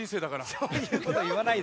そういうこといわないで。